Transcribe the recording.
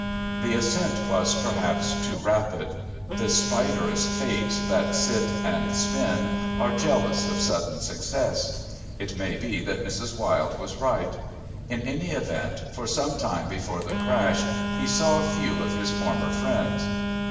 The ascent was perhaps too rapid. The spiderous Fates that sit and spin are jealous of sudden success. It may be that Mrs. Wilde was right. In any event, for some time before the crash he saw few of his former friends.